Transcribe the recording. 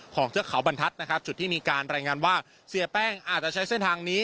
ของเทือกเขาบรรทัดจุดที่รายงานว่าเสียแป้งอาจจะใช้เส้นทางนี้